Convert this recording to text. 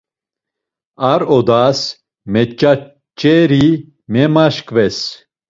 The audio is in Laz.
Ar odas meç̌aç̌eri memaşǩves.